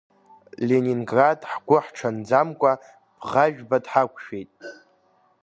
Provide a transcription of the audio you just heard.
Ленинград ҳгәы ҳҽанӡамкәа Бӷажәба дҳақәшәеит.